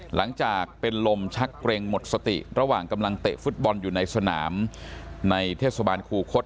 หลังจากเป็นลมชักเกร็งหมดสติระหว่างกำลังเตะฟุตบอลอยู่ในสนามในเทศบาลคูคศ